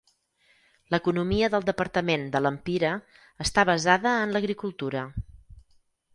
L'economia del departament de Lempira està basada en l'agricultura.